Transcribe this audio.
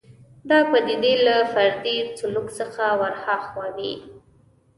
دا پدیدې له فردي سلوک څخه ورهاخوا وي